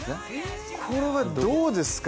これはどうですか？